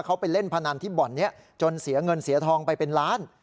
เขาไปเล่นพนันที่บ่อนนี้จนเสียเงินเสียทองไปเป็นล้าน